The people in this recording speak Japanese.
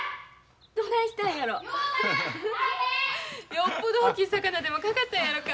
よっぽど大きい魚でも掛かったんやろか。